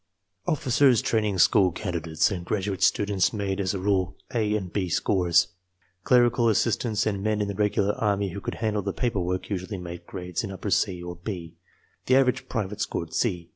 Officers' training school candidates and graduate students made as a rule A and B scores. Clerical assistants and men in the Regular Army who could handle the paper work usually made grades in upper C or B. The average private scored C.